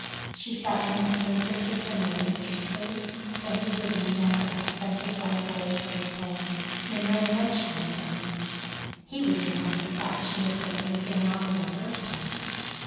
She felt instinctively, from the minister's face, that he would not have sent his wife away from his home, no matter what she had done. He would not have thought she had done anything wrong in the first place.